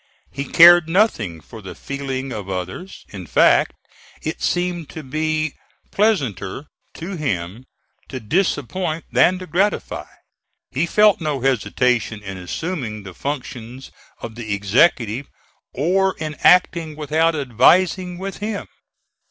He cared nothing for the feeling of others. In fact it seemed to be pleasanter to him to disappoint than to gratify. He felt no hesitation in assuming the functions of the executive, or in acting without advising with him.